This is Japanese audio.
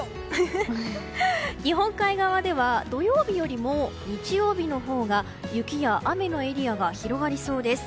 日本海側では土曜日よりも日曜日のほうが雪や雨のエリアが広がりそうです。